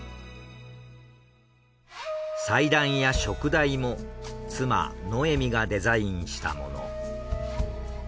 祭壇や燭台も妻ノエミがデザインしたもの。